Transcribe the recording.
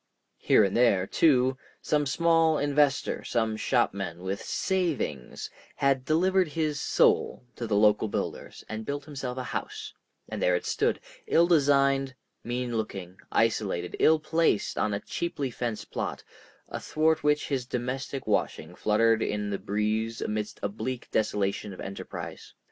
Here and there, too, some small investor, some shopman with "savings," had delivered his soul to the local builders and built himself a house, and there it stood, ill designed, mean looking, isolated, ill placed on a cheaply fenced plot, athwart which his domestic washing fluttered in the breeze amidst a bleak desolation of enterprise.